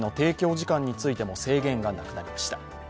時間についても制限がなくなりました。